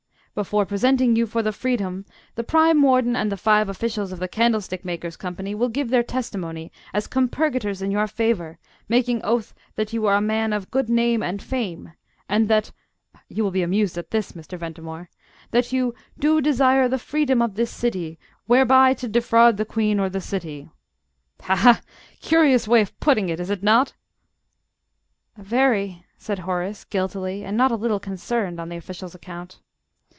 "Before presenting you for the freedom, the Prime Warden and five officials of the Candlestick makers' Company will give their testimony as compurgators in your favour, making oath that you are 'a man of good name and fame,' and that (you will be amused at this, Mr. Ventimore) that you 'do desire the freedom of this city, whereby to defraud the Queen or the City.' Ha, ha! Curious way of putting it, is it not?" "Very," said Horace, guiltily, and not a little concerned on the official's account.